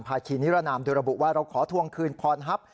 คีนิรนามโดยระบุว่าเราขอทวงคืนพรทัพ